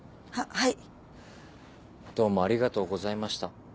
はい。